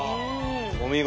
お見事。